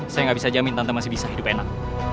saya nggak bisa jamin tante masih bisa hidup enak